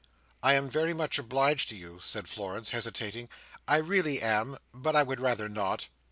"I am very much obliged to you," said Florence, hesitating. "I really am—but I would rather not."